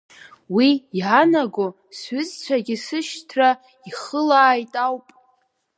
Уи иаанаго, сҩызцәагьы сышьҭра ихылааит ауп.